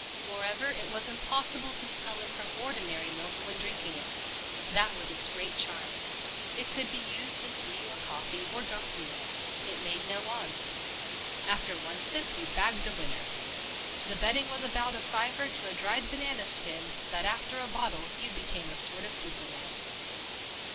Moreover it was impossible to tell it from ordinary milk when drinking it. That was its great charm. It could be used in tea or coffee or drunk neat. It made no odds. After one sip you bagged a winner. The betting was about a fiver to a dried banana skin that after a bottle you became a sort of superman.